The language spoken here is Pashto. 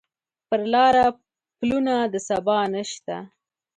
پر لاره پلونه د سبا نشته